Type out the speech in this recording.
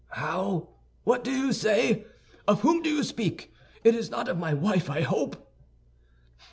"How? What do you say? Of whom do you speak? It is not of my wife, I hope!"